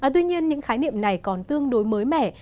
tuy nhiên những khái niệm này còn tương đối mới mẻ